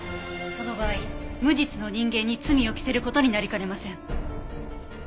その場合無実の人間に罪を着せる事になりかねません。